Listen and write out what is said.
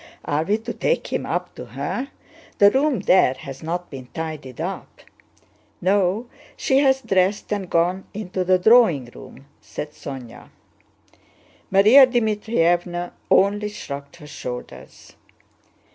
Are we to take him up to her? The room there has not been tidied up." "No, she has dressed and gone into the drawing room," said Sónya. Márya Dmítrievna only shrugged her shoulders.